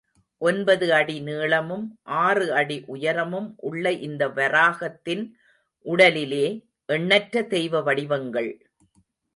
ஒன்பது அடி நீளமும், ஆறு அடி உயரமும் உள்ள இந்த வராகத்தின் உடலிலே எண்ணற்ற தெய்வ வடிவங்கள்.